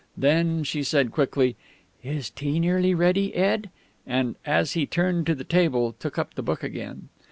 Then she said quickly, "Is tea nearly ready, Ed?" and, as he turned to the table, took up the book again.